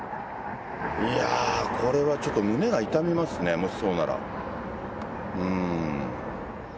いやー、これはちょっと胸が痛みますね、もしそうなら。